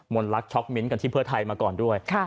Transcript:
มนต์ลักษณ์ช็อกมิ้นท์ที่เผือไทยมาก่อนด้วย